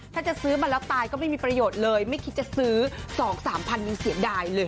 ถ้าจะซื้อมาแล้วตายก็ไม่มีประโยชน์เลยไม่คิดจะซื้อ๒๓พันยังเสียดายเลย